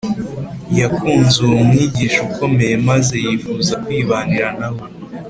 yakunze uwo mwigisha ukomeye, maze yifuza kwibanira na we